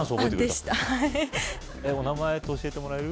はいお名前って教えてもらえる？